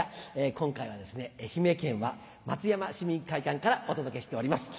今回はですね愛媛県は松山市民会館からお届けしております。